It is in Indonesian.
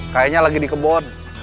kayaknya lagi di kebon